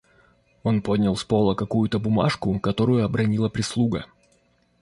Он поднял с пола какую-то бумажку, которую обронила прислуга.